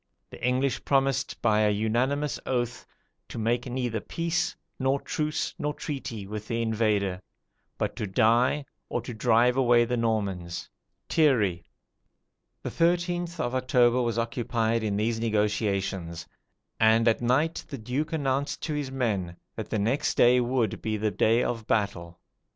The English promised by a unanimous oath, to make neither peace, nor truce nor treaty, with the invader, but to die, or drive away the Normans." [Thierry.] The 13th of October was occupied in these negotiations; and at night the Duke announced to his men that the next day would, be the day of battle.